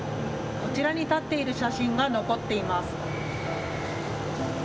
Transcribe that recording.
こちらに立っている写真が残っています。